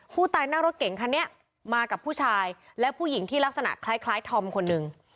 ผู้ตายหน้ารถเก่งคนนี้มากับผู้ชายและผู้หญิงที่ลักษณะคล้ายทอมคนนึง